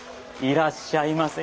いらっしゃいませ！